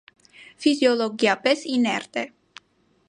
Ֆիգիոլոգիապես իներտ է։